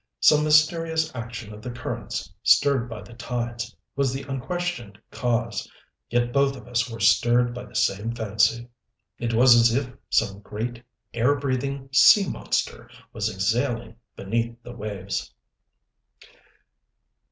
Some mysterious action of the currents, stirred by the tides, was the unquestioned cause; yet both of us were stirred by the same fancy. It was as if some great, air breathing sea monster was exhaling beneath the waves.